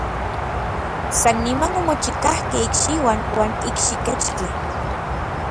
San niman omochikajkej ikxiuan iuan ikxikechtla.